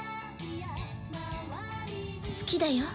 好きだよ